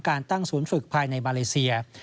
การตั้งศูนย์ฝึกภายในมาเลเซีย